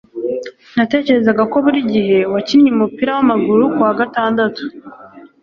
Natekerezaga ko buri gihe wakinnye umupira wamaguru kuwa gatandatu